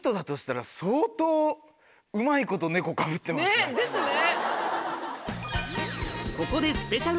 ねっですね。